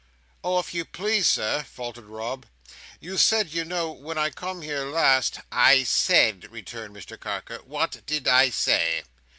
"Oh if you please, Sir," faltered Rob, "you said, you know, when I come here last—" "I said," returned Mr Carker, "what did I say?"